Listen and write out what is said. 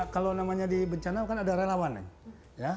kalau namanya di bencana kan ada relawan ya